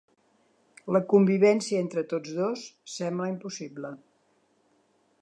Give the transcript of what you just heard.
La convivència entre tots dos sembla impossible.